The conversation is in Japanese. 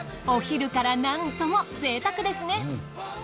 お昼からなんとも贅沢ですね。